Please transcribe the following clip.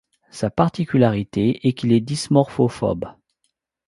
Sa particularité est qu'il est dysmorphophobe.